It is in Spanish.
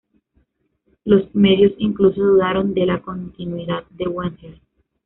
Los medios incluso dudaron de la continuidad de Wenger.